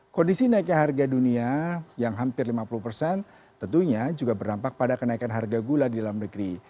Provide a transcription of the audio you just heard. kondisi naiknya harga dunia yang hampir lima puluh persen tentunya juga berdampak pada kenaikan harga gula di dalam negeri